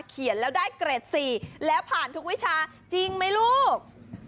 เขียนแล้วได้เกรด๔แล้วผ่านทุกวิชาจริงไหมลูก